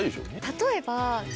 例えば。